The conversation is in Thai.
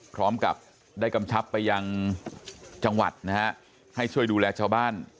พร้อมกับได้กำชับไปยังจังหวัดนะฮะให้ช่วยดูแลชาวบ้าน